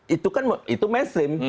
itu kan itu mainstream